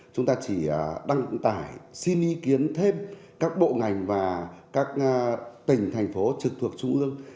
chúng ta chỉ đăng tải xin ý kiến thêm các bộ ngành và các tỉnh thành phố trực thuộc trung ương